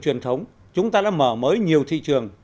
truyền thống chúng ta đã mở mới nhiều thị trường